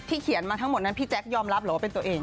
เขียนมาทั้งหมดนั้นพี่แจ๊คยอมรับเหรอว่าเป็นตัวเอง